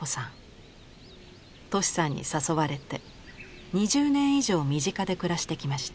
俊さんに誘われて２０年以上身近で暮らしてきました。